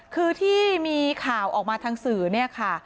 คือที่มีข่าวออกมาทางสื่อเนี่ยค่ะ